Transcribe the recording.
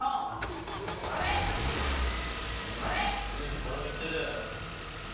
これもいってる。